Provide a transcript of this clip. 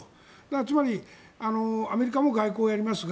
つまり、アメリカも外交をやりますよ